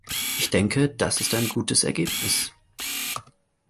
Ich denke, das ist ein gutes Ergebnis!